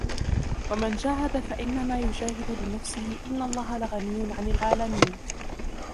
وَمَنْ جَاهَدَ فَإِنَّمَا يُجَاهِدُ لِنَفْسِهِ إِنَّ اللَّهَ لَغَنِيٌّ عَنِ الْعَالَمِينَ